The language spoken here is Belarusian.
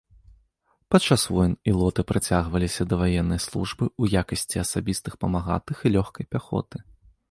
Падчас войн ілоты прыцягваліся да ваеннай службы ў якасці асабістых памагатых і лёгкай пяхоты.